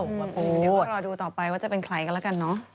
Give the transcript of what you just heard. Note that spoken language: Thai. เดี๋ยวก็รอดูต่อไปว่าจะเป็นใครกันแล้วกันเนอะ